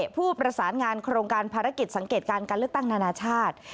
ผู้ประสานงานโครงการภารกิจสังเกตการการเลือกตั้งนานาชาติ